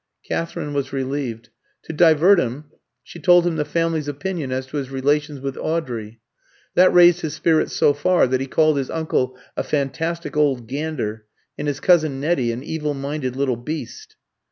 Katherine was relieved. To divert him, she told him the family's opinion as to his relations with Audrey. That raised his spirits so far that he called his uncle a "fantastic old gander," and his cousin Nettie an "evil minded little beast."